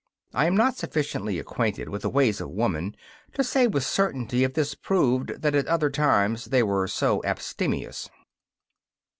I am not sufficiently acquainted with the ways of woman to say with certainty if this proved that at other times they were so abstemious.